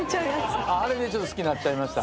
あれで好きになっちゃいました？